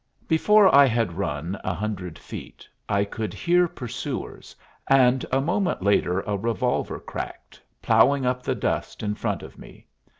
Before I had run a hundred feet I could hear pursuers, and a moment later a revolver cracked, ploughing up the dust in front of me.